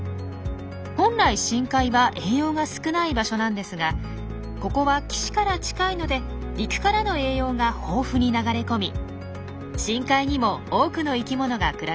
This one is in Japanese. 本来深海は栄養が少ない場所なんですがここは岸から近いので陸からの栄養が豊富に流れ込み深海にも多くの生きものが暮らしています。